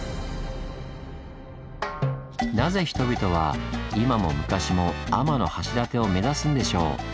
なぜ人々は今も昔も天橋立を目指すんでしょう？